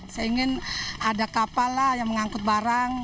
saya ingin ada kapal lah yang mengangkut barang